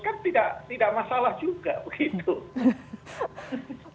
kan tidak masalah juga begitu